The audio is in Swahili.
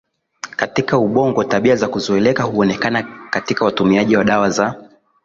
katika ubongo Tabia za kuzoeleka huonekana katika watumiaji wa dawa za